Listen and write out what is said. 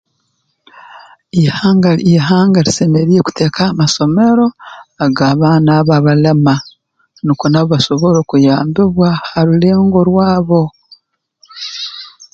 Ihanga ihanga lisemeriire kuteekaho amasomero ag'abaana abo abalema nukwo nabo basobole okuyambibwa ha rulengo rwabo